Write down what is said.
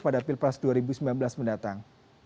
pada pilpres dua ribu sembilan belas mendatang